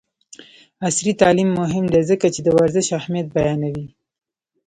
عصري تعلیم مهم دی ځکه چې د ورزش اهمیت بیانوي.